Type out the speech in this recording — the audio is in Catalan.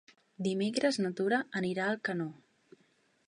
Dimecres na Tura anirà a Alcanó.